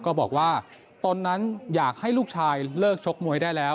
ก็บอกว่าตนนั้นอยากให้ลูกชายเลิกชกมวยได้แล้ว